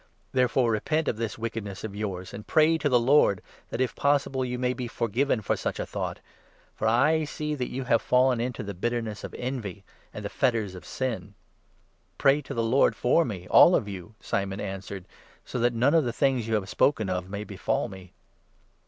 Therefore repent of this wickedness of yours, and pray to the Lord, that, if possi ble, you may be forgiven for such a thought ; for I see that you have fallen into the ' bitterness of envy ' and the ' fetters of sin.'" " Pray to the Lord for me, all of you," Simon answered, "so that none of the things you have spoken of may befall me."